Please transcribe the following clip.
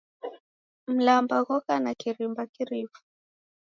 Mlamba ghoka na kirimba kirifu